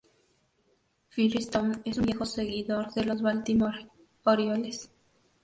Firestone es un viejo seguidor de los Baltimore Orioles.